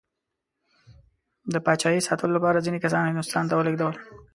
د پاچایۍ ساتلو لپاره ځینې کسان هندوستان ته ولېږدول.